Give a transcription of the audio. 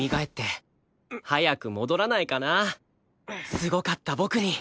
すごかった僕に